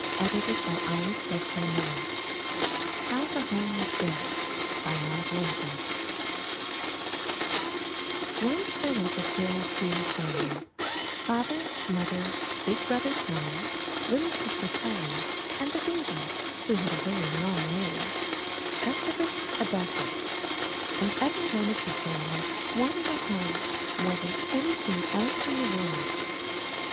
284 IN THE NURSERY HOW THE HOME WAS BUILT* Maud Lindsay Once there was a very dear family — Father, Mother, big Brother Tom, Httle Sister Polly, and the baby, who had a very long name, Gustavus Adolphus; and every one of the family wanted a home more than anything else in the world.